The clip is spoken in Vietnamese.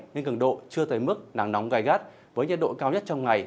nhưng cường độ chưa tới mức nắng nóng gai gắt với nhiệt độ cao nhất trong ngày